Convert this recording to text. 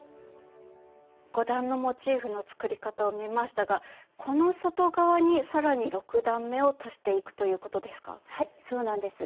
５段のモチーフの作り方を見ましたがこの外側に更に６段めを足していくということですか？